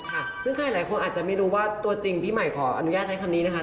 ค่ะซึ่งใครหลายคนอาจจะไม่รู้ว่าตัวจริงพี่ใหม่ขออนุญาตใช้คำนี้นะคะ